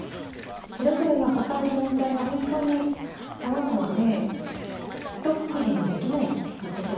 それぞれが抱える問題が本当にさまざまでひとくくりにできないっていうことはあると思うんですね。